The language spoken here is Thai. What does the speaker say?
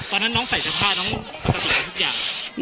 ตอนนั้นน้องใส่แต่ผ้าน้องปกติกับทุกอย่าง